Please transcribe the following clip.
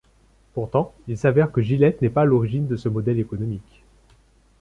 Pourtant, il s'avère que Gillette n'est pas à l'origine de ce modèle économique.